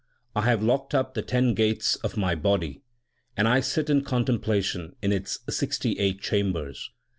I have locked up the ten gates 5 of my body, And I sit in contemplation in its sixty eight chambers.